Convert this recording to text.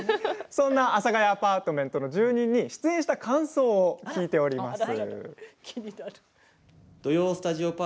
そんな「阿佐ヶ谷アパートメント」の住人に出演した感想を聞いています。